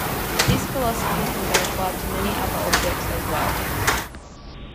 This philosophy can be applied to many other objects as well.